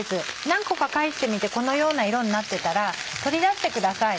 何個か返してみてこのような色になってたら取り出してください